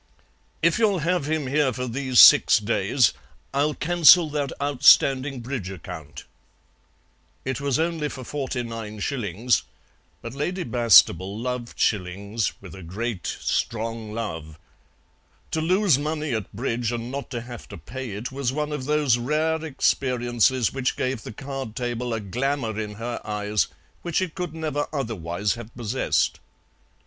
"If you'll have him here for these six days I'll cancel that outstanding bridge account." It was only for forty nine shillings, but Lady Bastable loved shillings with a great, strong love. To lose money at bridge and not to have to pay it was one of those rare experiences which gave the card table a glamour in her eyes which it could never otherwise have possessed. Mrs.